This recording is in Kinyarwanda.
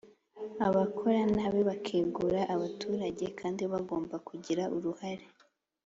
Abakora nabi bakegura abaturage kandi bagomba kugira uruhare